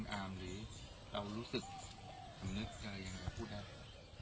ของคุณอาร์มหรือเรารู้สึกคำเนิดอะไรอย่างนี้พูดได้